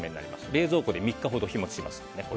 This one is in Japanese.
冷蔵庫で３日ほど日持ちします。